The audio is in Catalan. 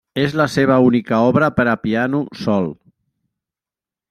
És la seva única obra per a piano sol.